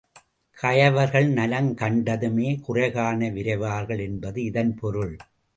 கயவர்கள் நலம் கண்டதுமே குறைகாண விரைவார்கள் என்பது இதன் பொருள்.